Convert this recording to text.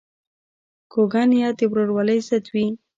کوږه نیت د ورورولۍ ضد وي